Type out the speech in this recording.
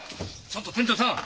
ちょっと店長さん！